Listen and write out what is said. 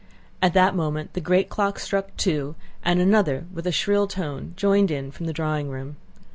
At that moment the great clock struck two and another with a shrill tone joined in from the drawing room.